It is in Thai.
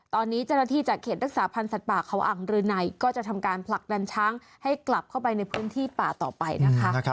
ตอนนี้เจ้าหน้าที่จากเขตรักษาพันธ์สัตว์ป่าเขาอ่างรืนัยก็จะทำการผลักดันช้างให้กลับเข้าไปในพื้นที่ป่าต่อไปนะคะ